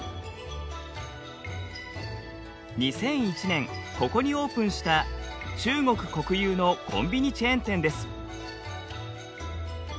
２００１年ここにオープンした中国国有のコンビニチェーン店です。